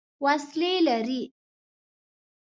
وسلې لري.